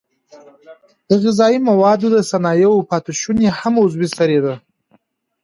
د غذایي موادو د صنایعو پاتې شونې هم عضوي سرې دي.